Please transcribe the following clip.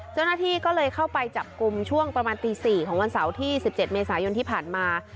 เจ้าหน้าที่ก็เลยเข้าไปจับกลุ่มช่วงประมาณตี๔ของวันเสาร์ที่๑๗เมษายนที่ผ่านมา